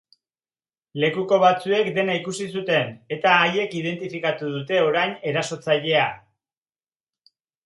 Lekuko batzuek dena ikusi zuten, eta haiek identifikatu dute orain erasotzailea.